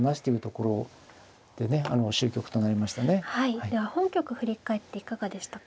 では本局振り返っていかがでしたか。